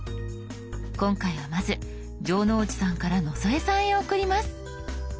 今回はまず城之内さんから野添さんへ送ります。